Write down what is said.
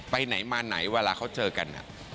ไปไหนมาไหนเวลาเขาเจอกัน